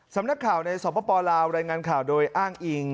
สำนักข่าวในสปลาวรายงานข่าวโดยอ้างอิง